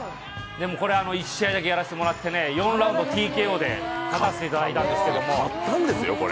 これ、１試合だけやらせてもらって４ラウンドＴＫＯで勝ったんですけど。